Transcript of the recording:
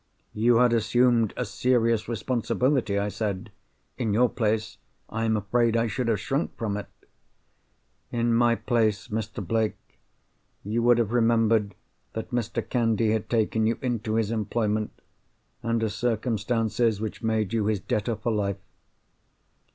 "You had assumed a serious responsibility," I said. "In your place, I am afraid I should have shrunk from it." "In my place, Mr. Blake, you would have remembered that Mr. Candy had taken you into his employment, under circumstances which made you his debtor for life.